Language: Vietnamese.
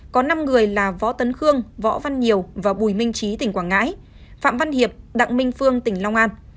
có năm người là võ tấn khương võ văn nhiều và bùi minh trí tỉnh quảng ngãi phạm văn hiệp đặng minh phương tỉnh long an